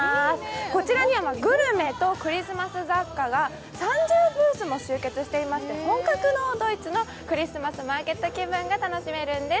こちらにはグルメとクリスマス雑貨が３０ブースも集結していまして、本格のドイツのクリスマスマーケット気分が楽しめるんです。